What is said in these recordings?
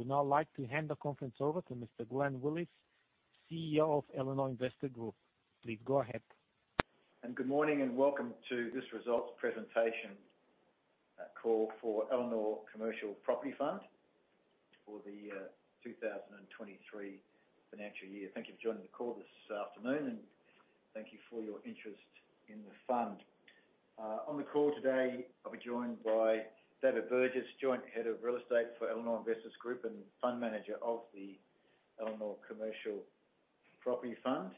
I would now like to hand the conference over to Mr. Glenn Willis, CEO of Elanor Investors Group. Please go ahead. Good morning, and welcome to this results presentation call for Elanor Commercial Property Fund for the 2023 financial year. Thank you for joining the call this afternoon, and thank you for your interest in the fund. On the call today, I'll be joined by David Burgess, Joint Head of Real Estate for Elanor Investors Group, and Fund Manager of the Elanor Commercial Property Fund.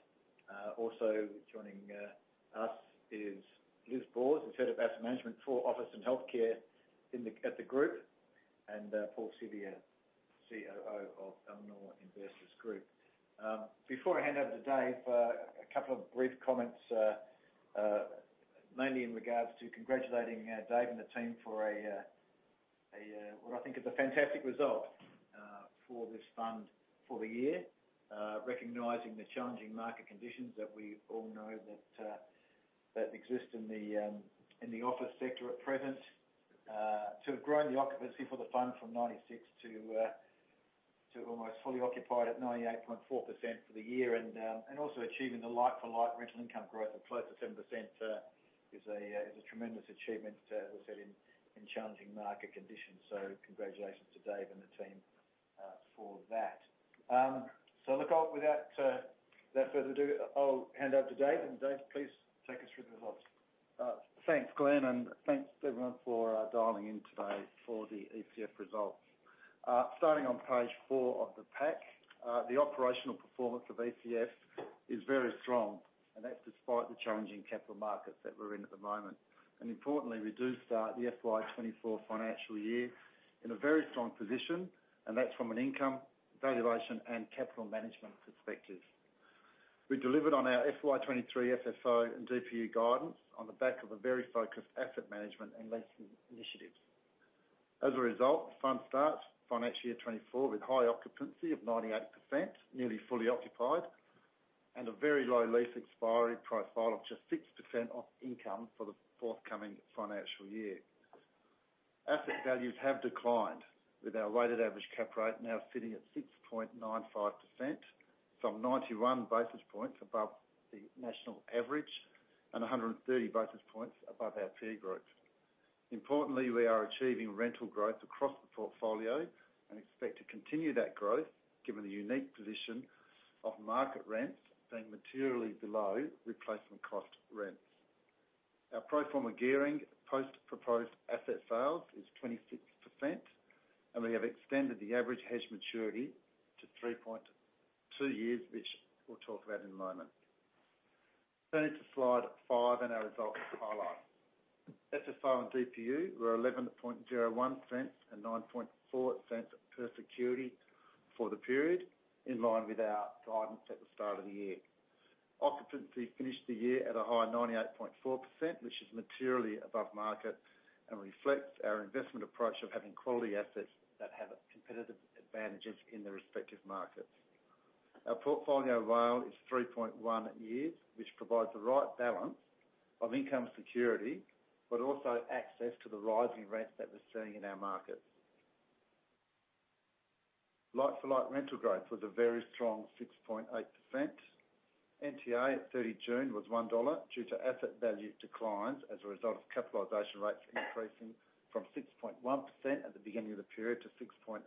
Also joining us is Bessie Beresford, the Head of Asset Management for Office and Healthcare at the group, and Paul Siviour, COO of Elanor Investors Group. Before I hand over to Dave, a couple of brief comments, mainly in regards to congratulating Dave and the team for a what I think is a fantastic result for this fund for the year. Recognizing the challenging market conditions that we all know that exist in the office sector at present. To have grown the occupancy for the fund from 96 to almost fully occupied at 98.4% for the year and also achieving the like-for-like rental income growth of close to 10% is a tremendous achievement, as I said in challenging market conditions. Congratulations to David and the team for that. Look, I'll without further ado, I'll hand over to David. David, please take us through the results. Thanks, Glenn, and thanks, everyone, for dialing in today for the ECF results. Starting on page 4 of the pack, the operational performance of ECF is very strong, and that's despite the challenging capital markets that we're in at the moment. Importantly, we do start the FY2O24 financial year in a very strong position, and that's from an income, valuation, and capital management perspective. We delivered on our FY2023 FFO and DPU guidance on the back of a very focused asset management and leasing initiatives. As a result, the fund starts financial year 2024 with high occupancy of 98%, nearly fully occupied, and a very low lease expiry profile of just 6% of income for the forthcoming financial year. Asset values have declined, with our weighted average cap rate now sitting at 6.95%, some 91 basis points above the national average and 130 basis points above our peer groups. Importantly, we are achieving rental growth across the portfolio and expect to continue that growth, given the unique position of market rents being materially below replacement cost rents. Our pro forma gearing, post proposed asset sales, is 26%, and we have extended the average hedge maturity to three years and two months, which we'll talk about in a moment. Turning to slide 5 and our results highlights. FFO and DPU were 0.1101 and 0.094 per security for the period, in line with our guidance at the start of the year. Occupancy finished the year at a high 98.4%, which is materially above market and reflects our investment approach of having quality assets that have competitive advantages in their respective markets. Our portfolio WALE is three years and one month, which provides the right balance of income security, but also access to the rising rents that we're seeing in our markets. Like-for-like rental growth was a very strong 6.8%. NTA at 30 June was 1 dollar due to asset value declines as a result of capitalization rates increasing from 6.1% at the beginning of the period to 6.95%.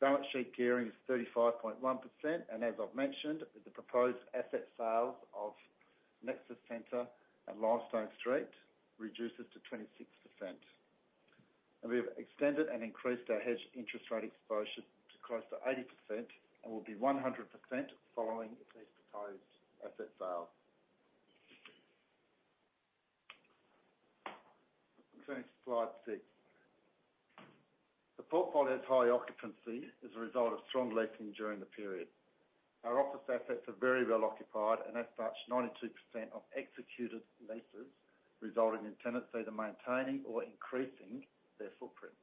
Balance sheet gearing is 35.1%, and as I've mentioned, with the proposed asset sales of Nexus Centre and Limestone Street reduces to 26%. We have extended and increased our hedged interest rate exposure to close to 80% and will be 100% following these proposed asset sales. Turning to slide 6. The portfolio's high occupancy is a result of strong leasing during the period. Our office assets are very well occupied, and as such, 92% of executed leases resulting in tenants either maintaining or increasing their footprint.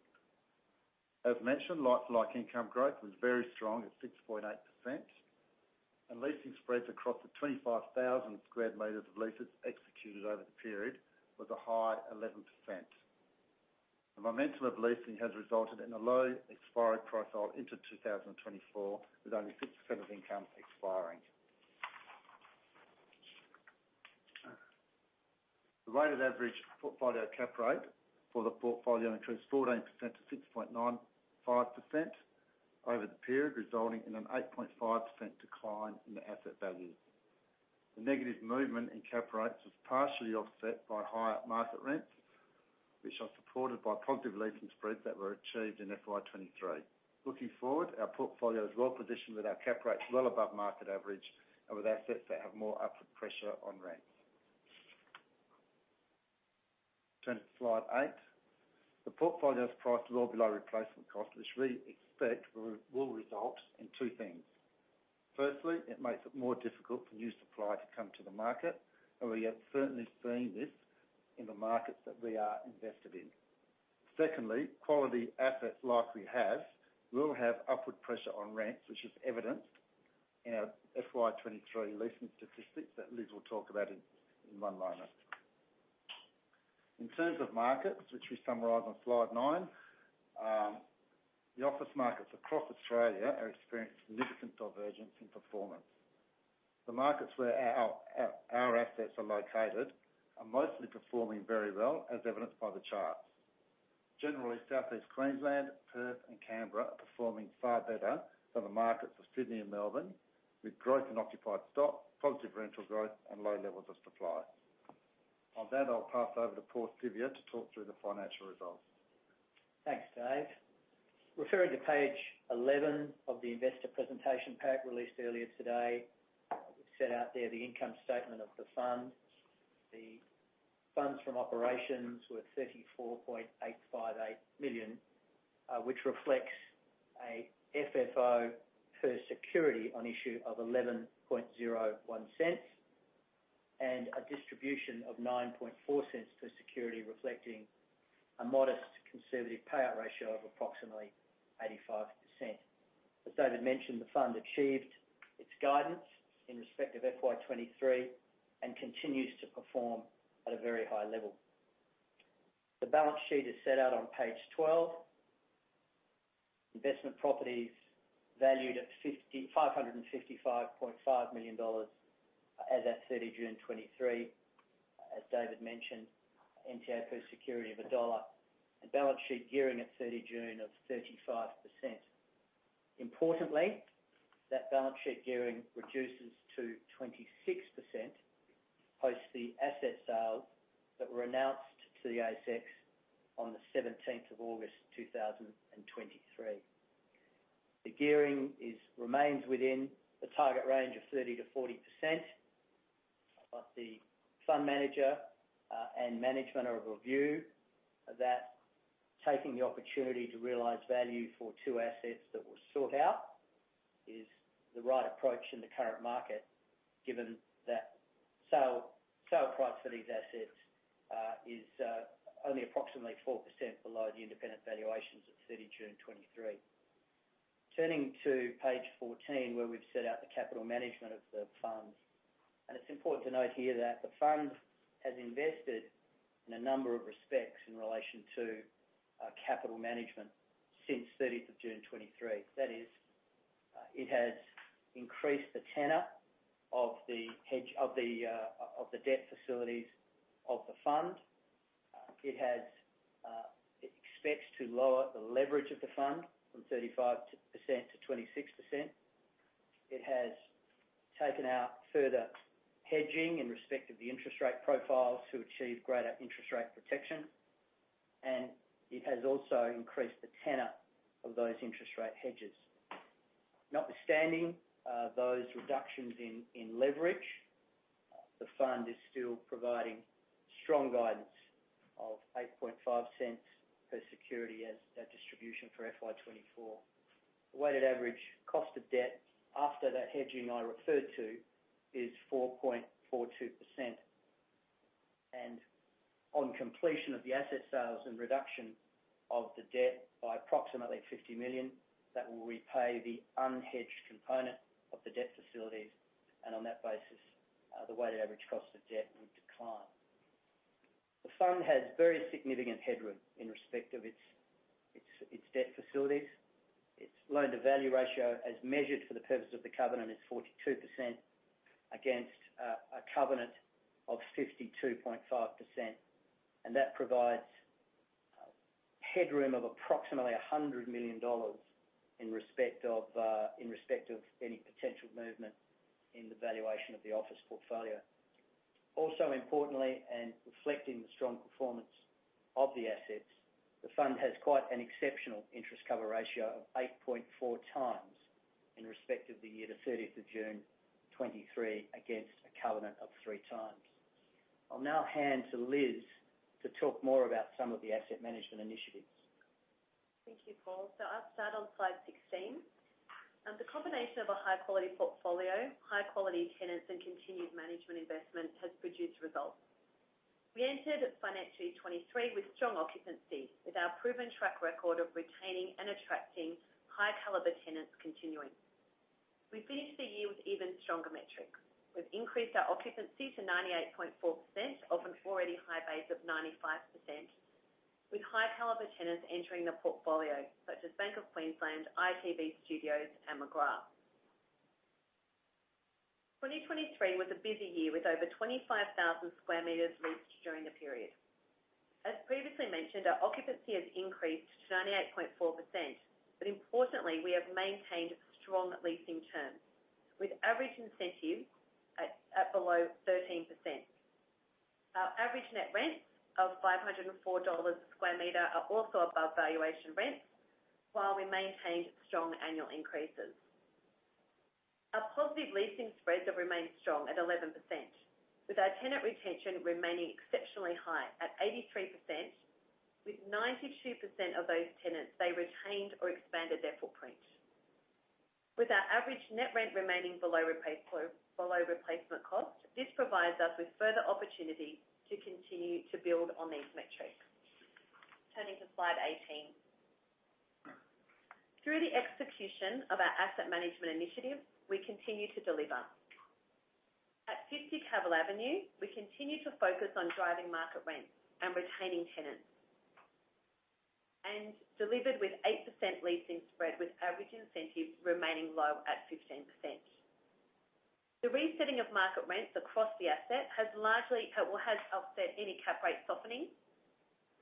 As mentioned, like-for-like income growth was very strong at 6.8%, and leasing spreads across the 25,000 square meters of leases executed over the period was a high 11%. The momentum of leasing has resulted in a low expiry profile into 2024, with only 6% of income expiring. The weighted average portfolio cap rate for the portfolio increased 14% to 6.95% over the period, resulting in an 8.5% decline in the asset values. The negative movement in cap rates was partially offset by higher market rents, which are supported by positive leasing spreads that were achieved in FY2023. Looking forward, our portfolio is well positioned with our cap rates well above market average and with assets that have more upward pressure on rents. Turning to slide 8. The portfolio's price is well below replacement cost, which we expect will result in two things. Firstly, it makes it more difficult for new supply to come to the market, and we have certainly seen this in the markets that we are invested in. Secondly, quality assets like we have will have upward pressure on rents, which is evidenced in our FY2023 leasing statistics that Bessie will talk about in, in one moment. In terms of markets, which we summarize on slide 9, the office markets across Australia are experiencing significant divergence in performance. The markets where our, our, our assets are located are mostly performing very well, as evidenced by the charts. Generally, Southeast Queensland, Perth, and Canberra are performing far better than the markets of Sydney and Melbourne, with growth in occupied stock, positive rental growth, and low levels of supply. I'll pass over to Paul Siviour to talk through the financial results. Thanks, David. Referring to page 11 of the investor presentation pack released earlier today, we've set out there the income statement of the fund. The funds from operations were 34.858 million, which reflects a FFO per security on issue of 0.1101, and a distribution of 0.094 per security, reflecting a modest conservative payout ratio of approximately 85%. As David mentioned, the fund achieved its guidance in respect of FY2023 and continues to perform at a very high level. The balance sheet is set out on page 12. Investment properties valued at 5,555.5 million dollars as at 30 June 2023. As David mentioned, NTA per security of AUD 1, and balance sheet gearing at 30 June of 35%. Importantly, that balance sheet gearing reduces to 26% post the asset sales that were announced to the ASX on the 17th of August, 2023. The gearing is, remains within the target range of 30%-40%, but the fund manager, and management are of a view that taking the opportunity to realize value for two assets that were sought out, is the right approach in the current market, given that sale, sale price for these assets, is only approximately 4% below the independent valuations at 30 June 2023. Turning to page 14, where we've set out the capital management of the fund, and it's important to note here that the fund has invested in a number of respects in relation to capital management since 30th of June 2023. That is, it has increased the tenor of the hedge, of the debt facilities of the fund. It has, it expects to lower the leverage of the fund from 35% to 26%. It has taken out further hedging in respect of the interest rate profile to achieve greater interest rate protection, and it has also increased the tenor of those interest rate hedges. Notwithstanding those reductions in leverage, the fund is still providing strong guidance of 0.085 per security as a distribution for FY2024. The weighted average cost of debt after that hedging I referred to is 4.42%. On completion of the asset sales and reduction of the debt by approximately 50 million, that will repay the unhedged component of the debt facilities. On that basis, the weighted average cost of debt will decline. The fund has very significant headroom in respect of its, its, its debt facilities. Its loan-to-value ratio, as measured for the purpose of the covenant, is 42% against, a covenant of 52.5%. That provides, headroom of approximately 100 million dollars in respect of, in respect of any potential movement in the valuation of the office portfolio. Importantly, and reflecting the strong performance of the assets, the fund has quite an exceptional interest cover ratio of 8.4 times in respect of the year to 30th of June 2023, against a covenant of 3 times. I'll now hand to Bessie to talk more about some of the asset management initiatives. Thank you, Paul. I'll start on slide 16. The combination of a high-quality portfolio, high-quality tenants, and continued management investment has produced results. We entered FY2023 with strong occupancy, with our proven track record of retaining and attracting high caliber tenants continuing. We finished the year with even stronger metrics. We've increased our occupancy to 98.4% of an already high base of 95%, with high caliber tenants entering the portfolio, such as Bank of Queensland, ITV Studios, and McGrath. 2023 was a busy year, with over 25,000 square meters leased during the period. As previously mentioned, our occupancy has increased to 98.4%, but importantly, we have maintained strong leasing terms, with average incentive at below 13%. Our average net rents of 504 dollars a square meter are also above valuation rents, while we maintained strong annual increases. Our positive leasing spreads have remained strong at 11%, with our tenant retention remaining exceptionally high at 83%, with 92% of those tenants, they retained or expanded their footprint. With our average net rent remaining below replacement cost, this provides us with further opportunity to continue to build on these metrics. Turning to slide 18. Through the execution of our asset management initiative, we continue to deliver. At Fifty Cavill Avenue, we continue to focus on driving market rents and retaining tenants, and delivered with 8% leasing spread, with average incentives remaining low at 15%. The resetting of market rents across the asset has largely, or has offset any cap rate softening,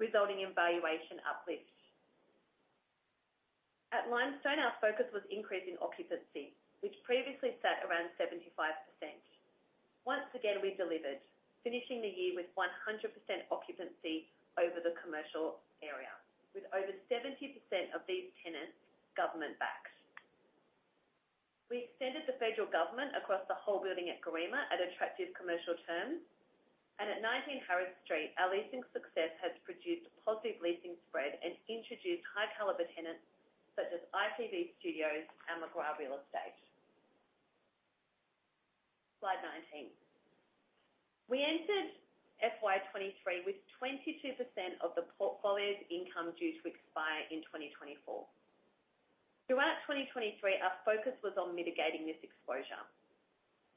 resulting in valuation uplifts. At Limestone, our focus was increasing occupancy, which previously sat around 75%. Once again, we delivered, finishing the year with 100% occupancy over the commercial area, with over 70% of these tenants government-backed. We extended the Federal Government across the whole building at Garema at attractive commercial terms. At 19 Harris Street, our leasing success has produced a positive leasing spread and introduced high-caliber tenants such as ITV Studios and McGrath Real Estate. Slide 19. We entered FY2023 with 22% of the portfolio's income due to expire in 2024. Throughout 2023, our focus was on mitigating this exposure.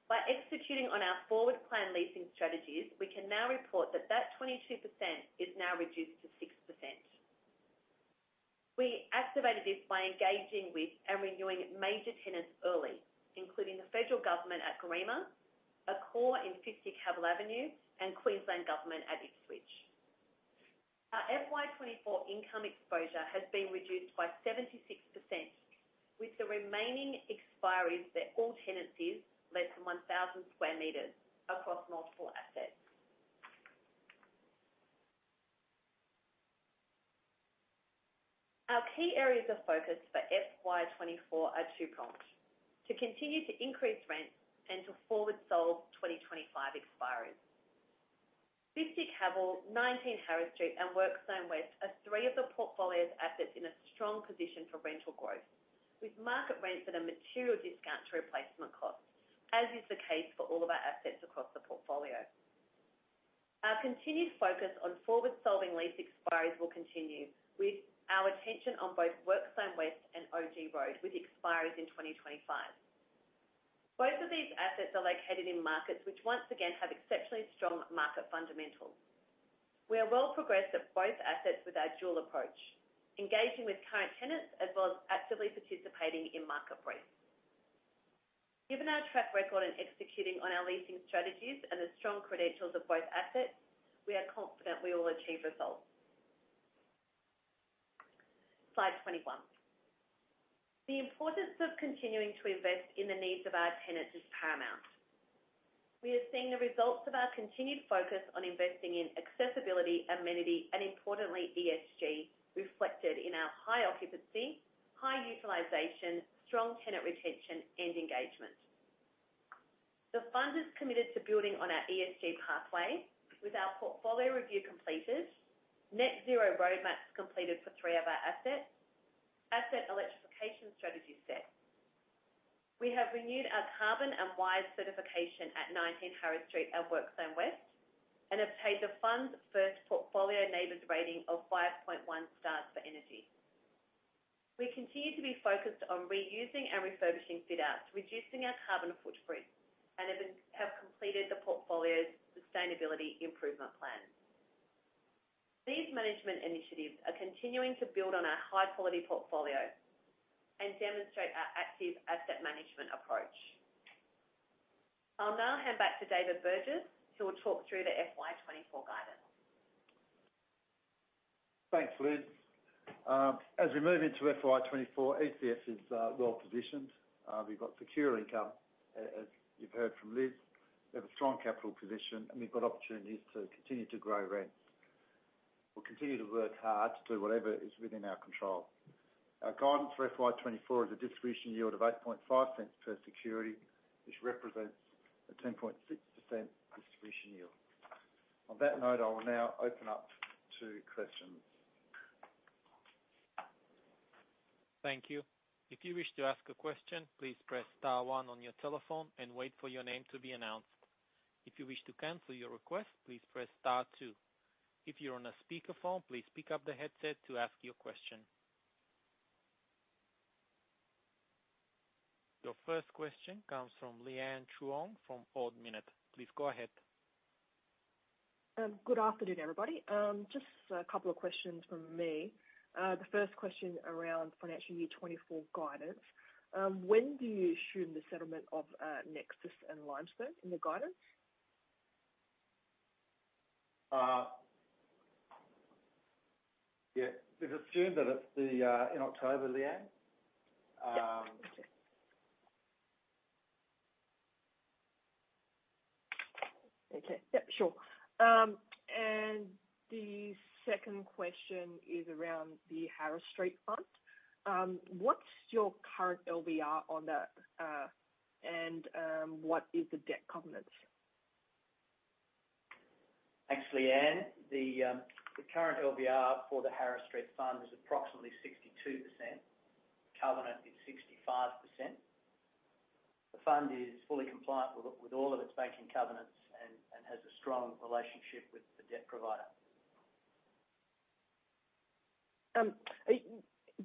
By executing on our forward plan leasing strategies, we can now report that that 22% is now reduced to 6%. We activated this by engaging with and renewing major tenants early, including the federal government at Garema, Accor in fifty Cavill Avenue, and Queensland Government at Ipswich. Our FY 2024 income exposure has been reduced by 76%, with the remaining expiries, they're all tenancies less than 1,000 square meters across multiple assets. Our key areas of focus for FY 2024 are two-pronged: to continue to increase rents and to forward solve 2025 expiries. Fifty Cavill, Nineteen Harris Street, and WorkZone West are three of the portfolio's assets in a strong position for rental growth, with market rents at a material discount to replacement costs, as is the case for all of our assets across the portfolio. Our continued focus on forward-solving lease expiries will continue with our attention on both WorkZone West and OG Road, with expiries in 2025. Both of these assets are located in markets which once again have exceptionally strong market fundamentals. We are well progressed at both assets with our dual approach, engaging with current tenants as well as actively participating in market rent. Given our track record in executing on our leasing strategies and the strong credentials of both assets, we are confident we will achieve results. Slide 21. The importance of continuing to invest in the needs of our tenants is paramount. We are seeing the results of our continued focus on investing in accessibility, amenity, and importantly, ESG, reflected in our high occupancy, high utilization, strong tenant retention, and engagement. The fund is committed to building on our ESG pathway, with our portfolio review completed, net zero roadmaps completed for 3 of our assets, asset electrification strategy set. We have renewed our Carbon and Wise certification at Nineteen Harris Street at WorkZone West, and obtained the fund's first portfolio NABERS rating of 5.1 stars for energy. We continue to be focused on reusing and refurbishing fit outs, reducing our carbon footprint, and have completed the portfolio's sustainability improvement plan. These management initiatives are continuing to build on our high-quality portfolio and demonstrate our active asset management approach. I'll now hand back to David Burgess, who will talk through the FY2O24 guidance. Thanks, Bessie. As we move into FY2024, ECF is well positioned. We've got secure income, as, as you've heard from Bessie. We have a strong capital position, and we've got opportunities to continue to grow rents. We'll continue to work hard to do whatever is within our control. Our guidance for FY2024 is a distribution yield of 0.085 per security, which represents a 10.6% distribution yield. On that note, I will now open up to questions. Thank you. If you wish to ask a question, please press star one on your telephone and wait for your name to be announced. If you wish to cancel your request, please press star two. If you're on a speakerphone, please pick up the headset to ask your question. Your first question comes from Leanne Truong from Ord Minnett. Please go ahead. Good afternoon, everybody. Just a couple of questions from me. The first question around financial year 2024 guidance. When do you assume the settlement of Nexus and Limestone in the guidance? Yeah, we've assumed that it's the in October, Leanne. Okay. Yep, sure. The second question is around the Harris Street Fund. What's your current LVR on that, and what is the debt covenants? Thanks, Leanne. The current LVR for the Harris Street Fund is approximately 62%. Covenant is 65%. The fund is fully compliant with all of its banking covenants and has a strong relationship with the debt provider.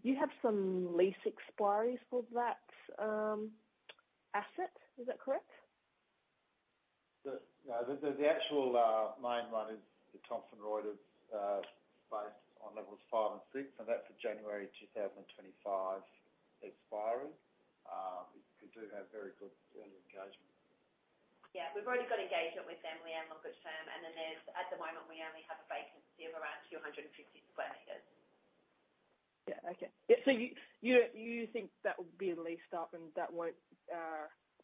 You have some lease expiries for that asset, is that correct? The, the, the actual, main one is the Thomson Reuters, based on levels 5 and 6, and that's a January 2025 expiry. We do have very good early engagement. Yeah, we've already got engagement with them. We are longer term, and then there's, at the moment, we only have a vacancy of around 250 square meters. Yeah, okay. Yeah, so you, you, you think that would be a lease up and that won't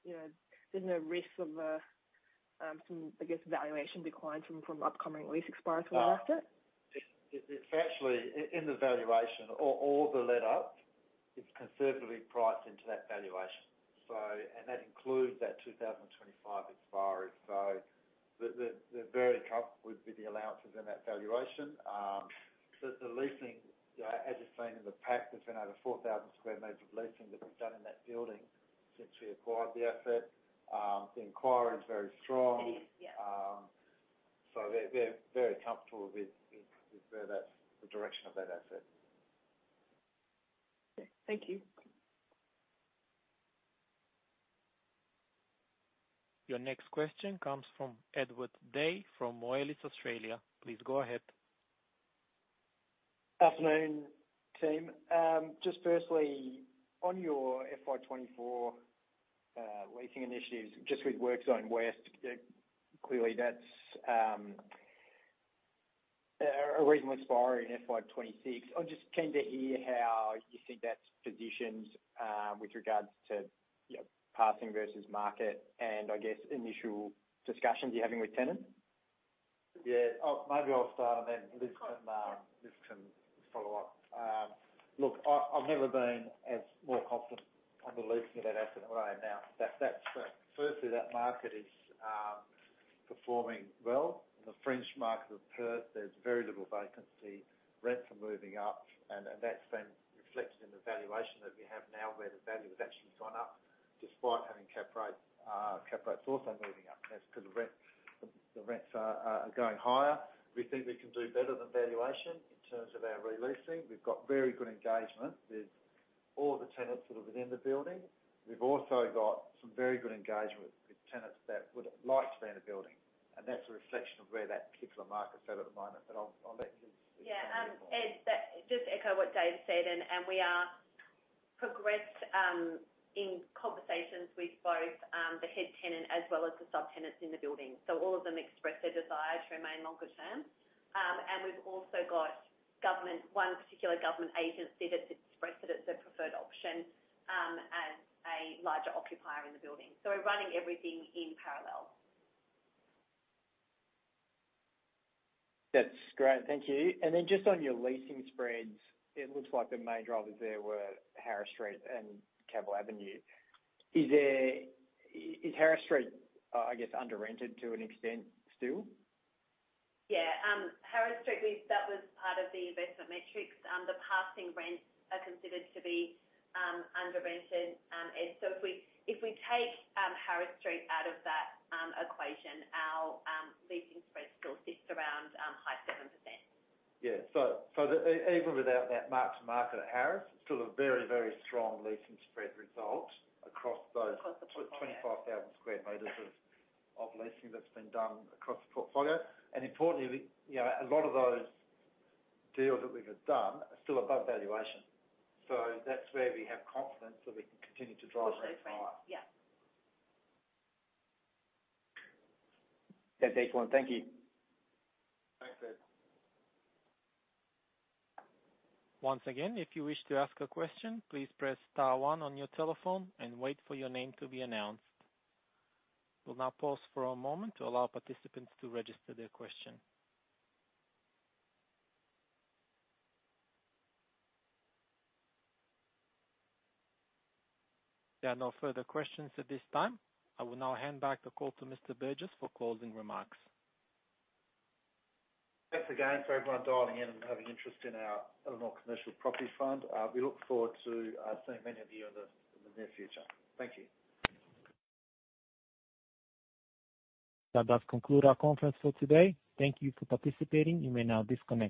there's no risk of, some, I guess, valuation decline from, from upcoming lease expirations on the asset? It's actually in the valuation, all the lit up is conservatively priced into that valuation. And that includes that 2025 expiry. We're very comfortable with the allowances in that valuation. The leasing, as you've seen in the pack, there's been over 4,000 square meters of leasing that we've done in that building since we acquired the asset. The inquiry is very strong. It is, yeah. We're, we're very comfortable with, with where that's the direction of that asset. Thank you. Your next question comes from Edward Day, from Moelis Australia. Please go ahead. Afternoon, team. Just firstly, on your FY2024 leasing initiatives, just with WorkZone West, clearly that's a reason we're expiring in FY2026. I'm just keen to hear how you think that's positioned with regards to passing versus market and I guess initial discussions you're having with tenants? Yeah. Oh, maybe I'll start, and then Bessie can, Bessie can follow up. Look, I, I've never been as more confident on the leasing of that asset than I am now. That's, that's, firstly, that market is performing well. The fringe market of Perth, there's very little vacancy, rents are moving up, and, and that's been reflected in the valuation that we have now, where the value has actually gone up despite having cap rates, cap rates also moving up. That's because the rent, the rents are, are going higher. We think we can do better than valuation in terms of our re-leasing. We've got very good engagement with all the tenants that are within the building. We've also got some very good engagement with tenants that would like to be in the building, and that's a reflection of where that particular market's at at the moment. I'll, I'll let Bessie Yeah, Ed, that just echo what Dave said, and we are progressed in conversations with both the head tenant as well as the subtenants in the building. All of them expressed their desire to remain longer term. We've also got one particular government agency that's expressed it as their preferred option, as a larger occupier in the building. We're running everything in parallel. That's great. Thank you. Then just on your leasing spreads, it looks like the main drivers there were Harris Street and Cavill Avenue. Is Harris Street, I guess, under-rented to an extent, still? Yeah. Harris Street, we've... That was part of the investment metrics. The passing rents are considered to be, under-rented, Ed. If we, if we take, Harris Street out of that, equation, our, leasing spread still sits around, high 7%. Yeah. Even without that mark-to-market at Harris, still a very, very strong leasing spread result across those. Across the portfolio. 25,000 square meters of leasing that's been done across the portfolio. Importantly, we a lot of those deals that we have done are still above valuation. That's where we have confidence that we can continue to drive those higher. Yeah. That's excellent. Thank you. Thanks, Ed. Once again, if you wish to ask a question, please press star one on your telephone and wait for your name to be announced. We'll now pause for a moment to allow participants to register their question. There are no further questions at this time. I will now hand back the call to Mr. Burgess for closing remarks. Thanks again for everyone dialing in and having interest in our Elanor Commercial Property Fund. We look forward to seeing many of you in the near future. Thank you. That does conclude our conference for today. Thank you for participating. You may now disconnect.